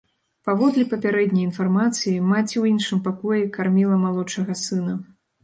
Паводле папярэдняй інфармацыі, маці ў іншым пакоі карміла малодшага сына.